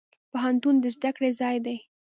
پوهنتون د زده کړي ځای دی.